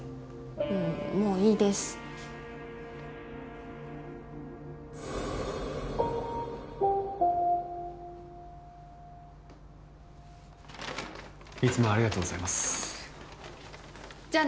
もうもういいですいつもありがとうございますじゃあね